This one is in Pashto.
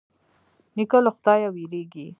نیکه له خدايه وېرېږي.